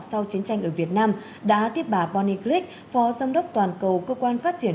sau chiến tranh ở việt nam đã tiếp bà bonny glick phó giám đốc toàn cầu cơ quan phát triển